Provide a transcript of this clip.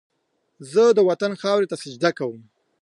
زه د وطن خاورې ته سجده کوم